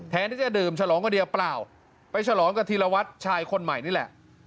แทนที่จะดื่มฉลองคนเดียวเปล่าไปฉลองกับธีรวัตรชายคนใหม่นี่แหละ